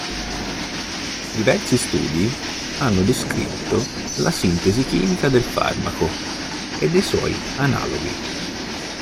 Diversi studi hanno descritto la sintesi chimica del farmaco e dei suoi analoghi.